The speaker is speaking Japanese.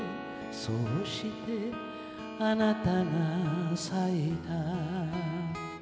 「そうしてあなたが咲いた」